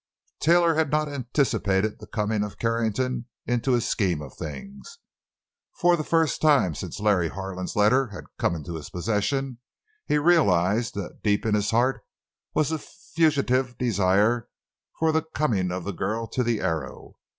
Taylor had not anticipated the coming of Carrington into his scheme of things. For the first time since Larry Harlan's letter had come into his possession he realized that deep in his heart was a fugitive desire for the coming of the girl to the Arrow.